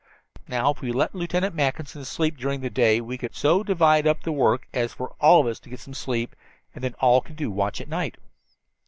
"Now if we let Lieutenant Mackinson sleep during the day we could so divide up the work as for all of us to get some sleep, and then all could do watch at night.